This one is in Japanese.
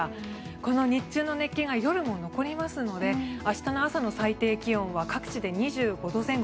この日中の熱気が夜も残りますので明日の朝の最低気温は各地で２５度前後。